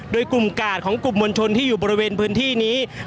ก็น่าจะมีการเปิดทางให้รถพยาบาลเคลื่อนต่อไปนะครับ